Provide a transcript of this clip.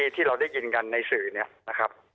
ที่เราได้ยินกันในสื่อนี้นะครับ